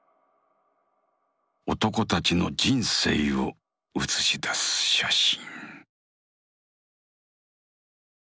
男たちの人生を映し出す写真。